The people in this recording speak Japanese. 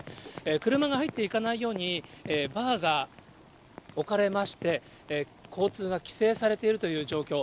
車が入っていかないように、バーが置かれまして、交通が規制されているという状況。